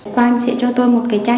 quang sẽ cho tôi một cái trang